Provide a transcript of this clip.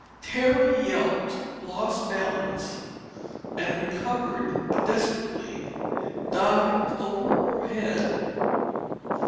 Terry yelped, lost balance, and recovering desperately, dived over her head.